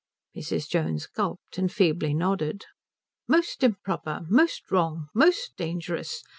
Mrs. Jones gulped, and feebly nodded. "Most improper. Most wrong. Most dangerous.